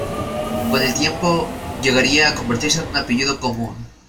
Con el tiempo, llegaría a convertirse en un apellido común.